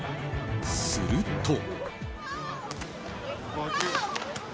すると。